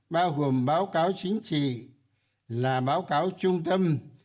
bao gồm báo cáo chính trị là báo cáo trung tâm